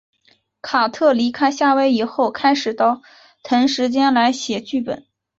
卡特离开夏威夷后开始腾时间来写剧本。